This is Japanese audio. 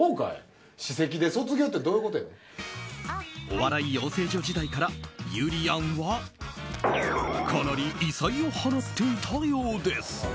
お笑い養成所時代からゆりやんはかなり異彩を放っていたようです。